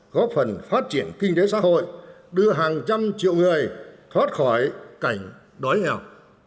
góp phần phát triển kinh tế xã hội đưa hàng trăm triệu người thoát khỏi cảnh đói nghèo